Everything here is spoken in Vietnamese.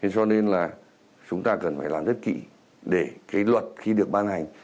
cho nên là chúng ta cần phải làm rất kỹ để cái luật khi được ban hành